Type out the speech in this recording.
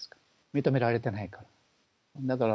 認められてないから。